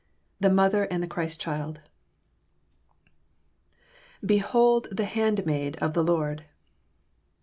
THE MOTHER AND THE CHRIST CHILD "Behold the handmaid of the Lord."